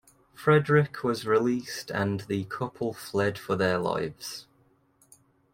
Fredrick was released and the couple fled for their lives.